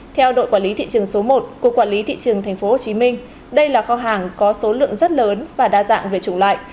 theo đội quản lý thị trường số một của quản lý thị trường tp hcm đây là kho hàng có số lượng rất lớn và đa dạng về chủng loại